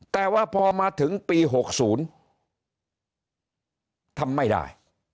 แต่ว่าพอมาถึงปี๖๐ทำไม่ได้